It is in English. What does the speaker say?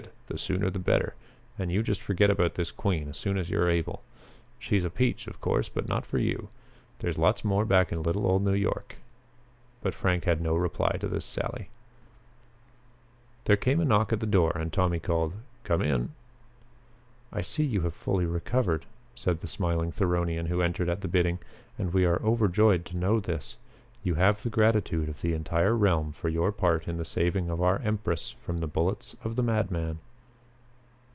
The sooner the better. And you just forget about this queen as soon as you are able. She's a peach, of course, but not for you. There's lots more back in little old New York." But Frank had no reply to this sally. There came a knock at the door and Tommy called, "Come in." "I see you have fully recovered," said the smiling Theronian who entered at the bidding, "and we are overjoyed to know this. You have the gratitude of the entire realm for your part in the saving of our empress from the bullets of the madman."